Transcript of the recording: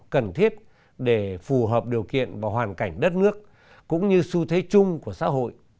cần thiết để phù hợp điều kiện và hoàn cảnh đất nước cũng như xu thế chung của xã hội